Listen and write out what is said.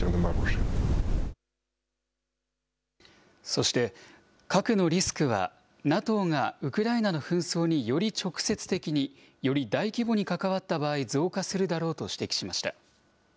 そして、核のリスクはＮＡＴＯがウクライナの紛争により直接的に、より大規模に関わった場合、増加するだろうと指摘しました。